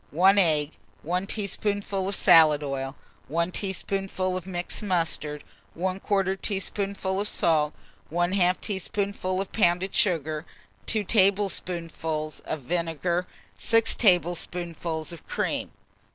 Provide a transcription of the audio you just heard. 1 egg, 1 teaspoonful of salad oil, 1 teaspoonful of mixed mustard, 1/4 teaspoonful of salt, 1/2 teaspoonful of pounded sugar, 2 tablespoonfuls of vinegar, 6 tablespoonfuls of cream.